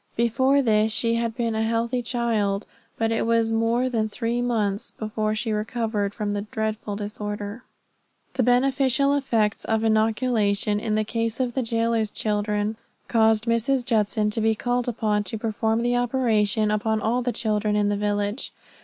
Before this she had been a healthy child but it was more than three months before she recovered from the dreadful disorder. The beneficial effects of inoculation in the case of the jailer's children, caused Mrs. Judson to be called upon to perform the operation upon all the children in the village.